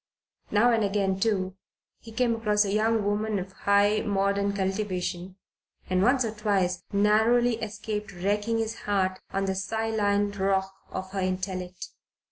Now and again too, he came across a young woman of high modern cultivation, and once or twice narrowly escaped wrecking his heart on the Scylline rock of her intellect.